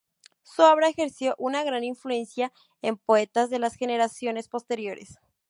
Su obra ejerció una gran influencia en poetas de las generaciones posteriores.